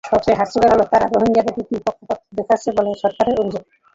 সবচেয়ে হাস্যকর হলো, তারা রোহিঙ্গাদের প্রতি পক্ষপাত দেখাচ্ছে বলে সরকারের অভিযোগ।